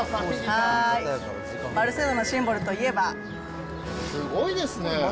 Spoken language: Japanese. バルセロナのシンボルといえすごいですね。